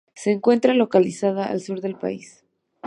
Se encuentra localizada al sur del país.